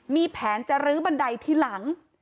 มีแผนจะลื้อบันไดทีหลัง